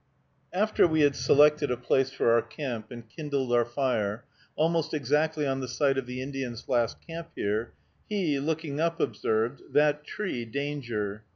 After we had selected a place for our camp, and kindled our fire, almost exactly on the site of the Indian's last camp here, he, looking up, observed, "That tree danger."